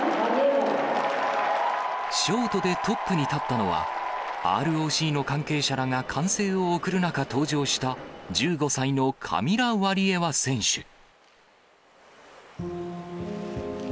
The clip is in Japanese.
ショートでトップに立ったのは、ＲＯＣの関係者らが歓声を送る中登場した、１５歳のカミラ・ワリエワ選手。